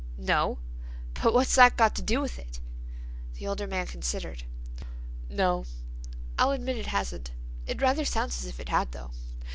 "No, but what's that got to do with it?" The older man considered. "No, I'll admit it hasn't. It rather sounds as if it had though."